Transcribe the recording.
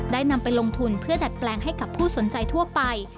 นำไปลงทุนเพื่อดัดแปลงให้กับผู้สนใจทั่วไป